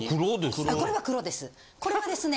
これは黒ですか？